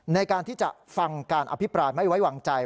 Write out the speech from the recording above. ในการที่จะฟังการอภิปรายไม่ไว้วางใจ